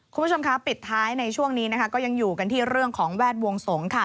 คุณผู้ชมคะปิดท้ายในช่วงนี้นะคะก็ยังอยู่กันที่เรื่องของแวดวงสงฆ์ค่ะ